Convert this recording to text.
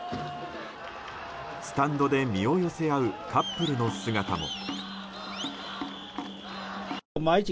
スタンドで身を寄せ合うカップルの姿も。